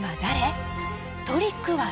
トリックは何？］